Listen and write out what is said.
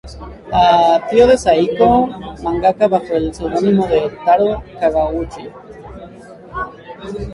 Tío de Saiko, mangaka bajo el pseudónimo de "Taro Kawaguchi".